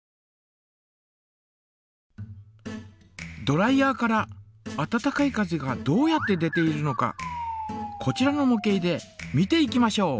ドライヤーから温かい風がどうやって出ているのかこちらのも型で見ていきましょう。